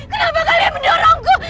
kenapa kalian mendorongku